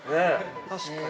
◆確かに。